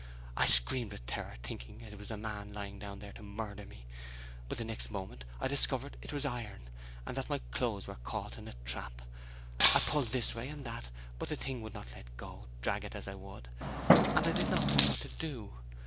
I screamed with terror, thinking it was a man lying down there to murder me, but the next moment I discovered it was iron, and that my clothes were caught in a trap. I pulled this way and that, but the thing would not let go, drag it as I would, and I did not know what to do.